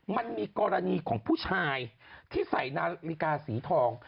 มันมีกรณีของผู้ชายที่ใส่นาฬิกาสีทอง